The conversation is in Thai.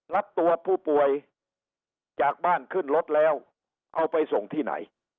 รับตัวผู้ป่วยจากบ้านขึ้นรถแล้วเอาไปส่งที่ไหน